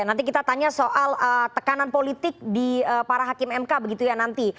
nanti kita tanya soal tekanan politik di para hakim mk begitu ya nanti